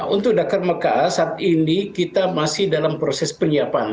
untuk dakar mekah saat ini kita masih dalam proses penyiapan